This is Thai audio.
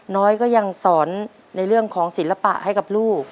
น้อยก็ยังสอนในเรื่องของศิลปะให้กับลูก